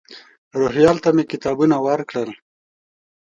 روهیال ته مې کتابونه ورکړل.